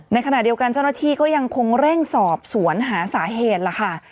ในขณะเดียวกันเจ้าหน้าที่ก็ยังคงเร่งสอบสวนหาสาเหตุล่ะค่ะ